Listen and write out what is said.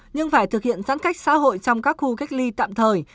nhưng phải thực hiện giãn cách xã hội trong các khu cách ly tạm thời